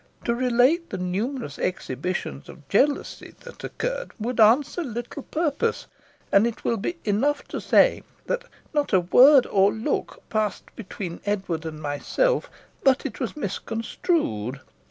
To relate the numerous exhibitions of jealousy that occurred would answer little purpose, and it will be enough to say that not a word or look passed between Edward and myself but was misconstrued.